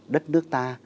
đất nước ta